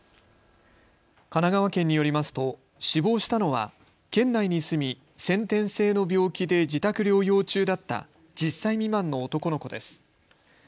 神奈川県によりますと死亡したのは県内に住み先天性の病気で自宅療養中だった１０歳未満の男の子です。